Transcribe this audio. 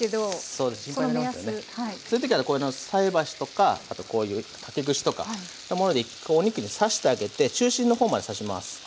そういう時はこの菜箸とかあとこういう竹串とかいったもので１回お肉に刺してあげて中心の方まで刺します。